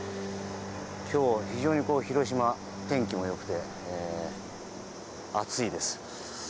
今日、非常にこの広島天気も良くて暑いです。